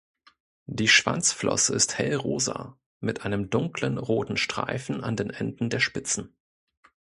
Die Schwanzflosse ist hellrosa mit einem dunklen roten Streifen an den Enden der Spitzen.